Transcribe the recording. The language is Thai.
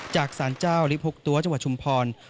จากสารเจ้าลิฟต์๖ตัวจังหวัดชุมพร